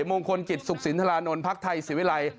มงคลกิจสุขศิลป์ธารณนท์พไทยศิวิรัย